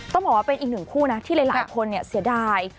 ต้องบอกว่าเป็นอีกหนึ่งคู่นะที่หลายคนเสียดาย